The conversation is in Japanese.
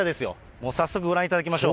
もう早速ご覧いただきましょう。